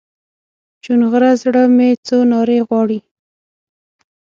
چونغره زړه مې څو نارې غواړي